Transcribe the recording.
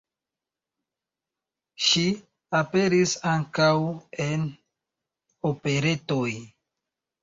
Ŝi aperis ankaŭ en operetoj.